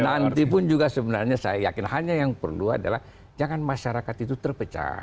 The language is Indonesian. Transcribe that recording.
nanti pun juga sebenarnya saya yakin hanya yang perlu adalah jangan masyarakat itu terpecah